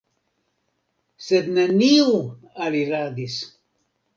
Sed neniu aliradis.